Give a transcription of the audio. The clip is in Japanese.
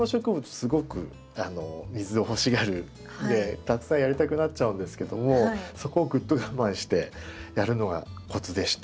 すごく水を欲しがるのでたくさんやりたくなっちゃうんですけどもそこをぐっと我慢してやるのがコツでして。